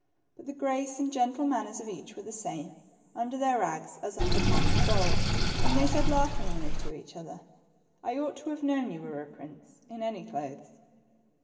But the grace and gentle manners of each were the same under their rags as under cloth of gold, and they said laughingly to each other, I ought to have known you were a prince, in any clothes